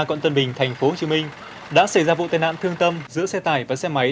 quận tân bình tp hcm đã xảy ra vụ tai nạn thương tâm giữa xe tải và xe máy